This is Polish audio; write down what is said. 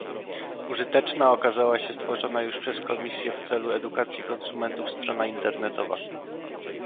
Użyteczna okazała się stworzona już przez Komisje w celu edukacji konsumentów strona internetowa